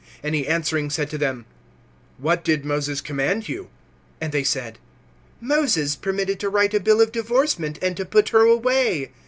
(3)And he answering said to them: What did Moses command you? (4)And they said: Moses permitted to write a bill of divorcement, and to put her away.